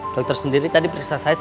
dokter sendiri tadi periksa saya